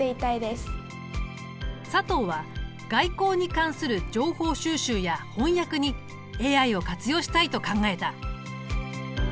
佐藤は外交に関する情報収集や翻訳にＡＩを活用したいと考えた。